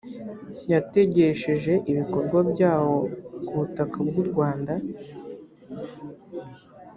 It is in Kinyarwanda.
yategejeje ibikorwa byawo ku butaka bw u rwanda